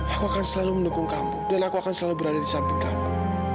aku akan selalu mendukung kamu dan aku akan selalu berada di samping kamu